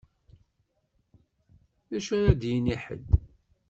D acu ara d-yini ḥedd?